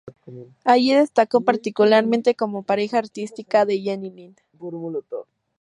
Allí destacó particularmente como pareja artística de Jenny Lind.